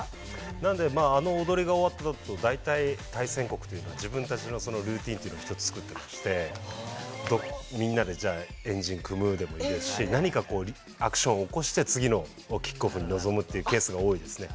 なのであの踊りが終わったあと大体対戦国というのは自分たちのルーティーンというのを一つ作ってましてみんなでじゃあ円陣組むでもいいですし何かアクションを起こして次のキックオフに臨むっていうケースが多いですね。